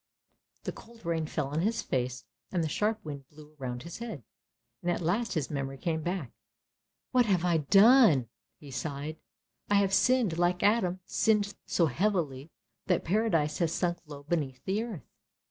The cold rain fell on his face, and the sharp wind blew around his head, and at last his memory came back. " What have I done? " he sighed. " I have sinned like Adam, sinned so heavily that Paradise has sunk low beneath the earth!